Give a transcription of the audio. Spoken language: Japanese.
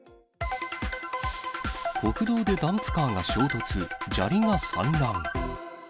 国道でダンプカーが衝突、砂利が散乱。